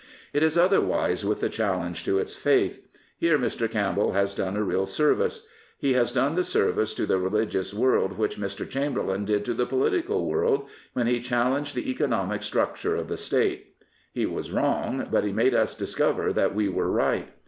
It is otherwise with the challenge to its faith. Here Mr. Campbell has done a real service. He has done the service to the religious world which Mr. Chamber lain did to the political world when he challenged the economic structure of the State. He was wrong; but he made us discover that we were right.